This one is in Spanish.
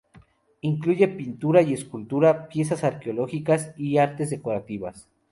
Incluye pintura y escultura, piezas arqueológicas y artes decorativas.